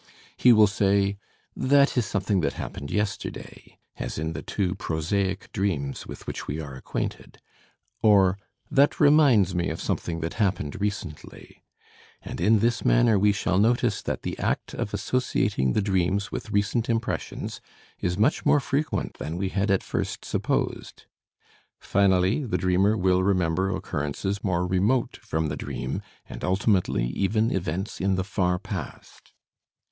He will say, "that is something that happened yesterday" (as in the two "prosaic" dreams with which we are acquainted); or, "that reminds me of something that happened recently," and in this manner we shall notice that the act of associating the dreams with recent impressions is much more frequent than we had at first supposed. Finally, the dreamer will remember occurrences more remote from the dream, and ultimately even events in the far past.